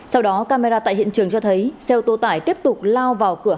sau đó camera tại hiện trường cho thấy xe ô tô tải tiếp tục lao vào cửa